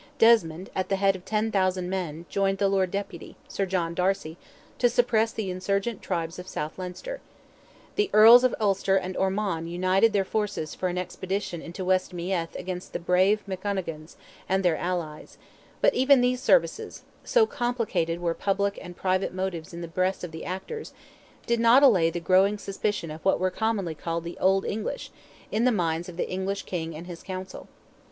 Desmond, at the head of 10,000 men, joined the lord deputy, Sir John Darcy, to suppress the insurgent tribes of South Leinster; the Earls of Ulster and Ormond united their forces for an expedition into West Meath against the brave McGeoghegans and their allies; but even these services—so complicated were public and private motives in the breasts of the actors—did not allay the growing suspicion of what were commonly called "the old English," in the minds of the English King and his council.